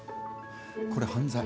これ犯罪。